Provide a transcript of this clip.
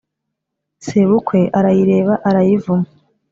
sebukwe arayireba arayivuma